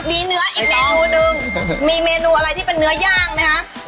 มีเนื้ออีกเมนูนึงมีเมนูอะไรที่เป็นเนื้อย่างนะคะ